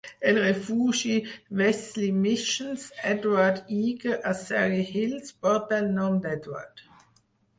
El refugi Wesley Mission's Edward Eagar a Surry Hills porta el nom d'Edward.